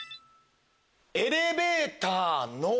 「エレベーターの」。